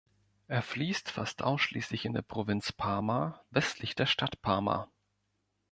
Er fließt fast ausschließlich in der Provinz Parma, westlich der Stadt Parma.